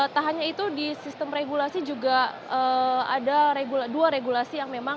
tak hanya itu di sistem regulasi juga ada dua regulasi yang memang